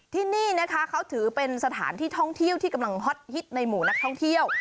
ที่นี่นะคะเขาถือเป็นสถานที่ท่องเที่ยวที่กำลังฮอตฮิตในหมู่นักท่องเที่ยว